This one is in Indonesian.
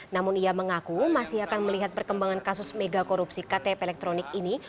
namun ia mengaku masih akan melihat perkembangan kasus mega korupsi ktp elektronik ini